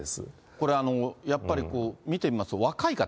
これ、やっぱり見てみますと、若い方？